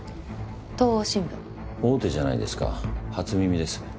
東央新聞大手じゃないですか初耳です。